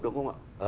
đúng không ạ